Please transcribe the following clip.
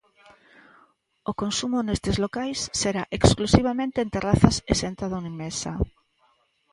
O consumo nestes locais será exclusivamente en terrazas e sentado en mesa.